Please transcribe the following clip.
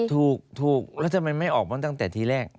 ถูกแล้วทำไมไม่ออกมาตั้งแต่ทีแรก